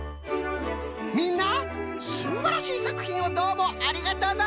みんなすんばらしいさくひんをどうもありがとのう！